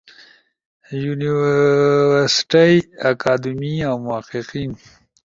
یونیورسٹئی، اکادمی اؤ محققین